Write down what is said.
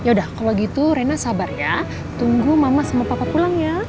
oke mas mau papa pulang ya